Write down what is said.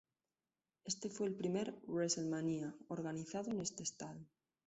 Este fue el primer "WrestleMania" organizado en este estado.